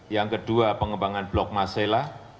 yang kedua pengembangan blok masela